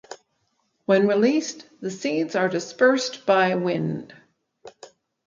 When released the seeds are dispersed by wind.